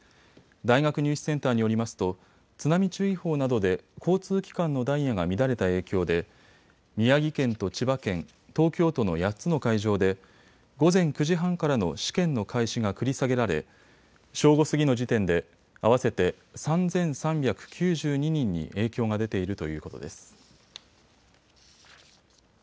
大学入試センターによりますと津波注意報などで交通機関のダイヤが乱れた影響で宮城県と千葉県、東京都の８つの会場で午前９時半からの試験の開始が繰り下げられ正午過ぎの時点で合わせて３３９２人に影響が出ているということです。